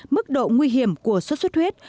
mức độ nguy hiểm của suất suất huyết